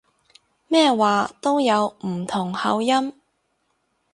咩話都有唔同口音